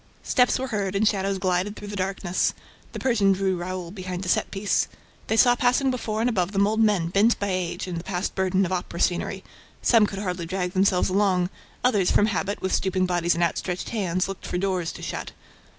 Steps were heard and shadows glided through the darkness. The Persian drew Raoul behind a set piece. They saw passing before and above them old men bent by age and the past burden of opera scenery. Some could hardly drag themselves along; others, from habit, with stooping bodies and outstretched hands, looked for doors to shut.